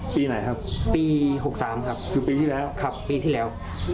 ปีไหนครับปี๖๓ครับคือปีที่แล้วครับปีที่แล้ว